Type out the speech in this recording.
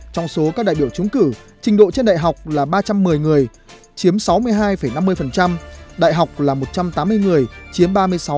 trong số các đại biểu trúng cử trình độ trên đại học là ba trăm một mươi người chiếm sáu mươi hai năm mươi đại học là một trăm tám mươi người chiếm ba mươi sáu